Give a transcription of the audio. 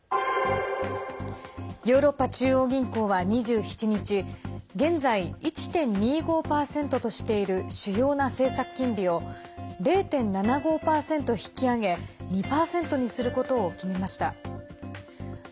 ヨーロッパ中央銀行は２７日現在１．２５％としている主要な政策金利を０．７５％引き上げ２％にすることを決めました。